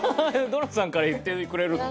ドナさんから言ってくれるの。